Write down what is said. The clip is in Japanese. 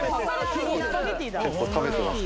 結構食べてます